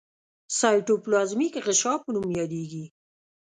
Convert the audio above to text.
سایټوپلازمیک غشا په نوم یادیږي.